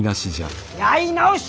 やい直し！